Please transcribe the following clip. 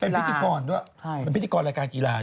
เป็นพิธีกรด้วยเป็นพิธีกรรายการกีฬา